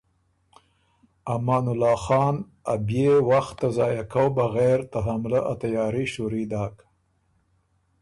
امان الله خان ا بيې وخت ته ضائع کؤ بغېر ته حملۀ ا تیاري شُوري داک۔